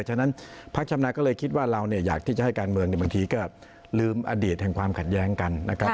ฉะนั้นพักชำนาญก็เลยคิดว่าเราอยากที่จะให้การเมืองบางทีก็ลืมอดีตแห่งความขัดแย้งกันนะครับ